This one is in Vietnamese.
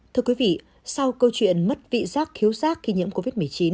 thưa quý vị sau câu chuyện mất vị giác khiếu giác khi nhiễm covid một mươi chín